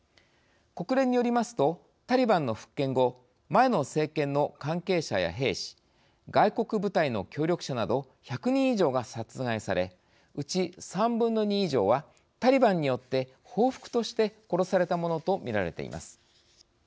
国連によりますとタリバンの復権後前の政権の関係者や兵士外国部隊の協力者など１００人以上が殺害されうち３分の２以上はタリバンによって報復として殺されたものとみられています。